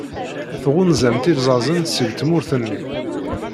Tɣunzamt ilzazen seg tmurt-nni.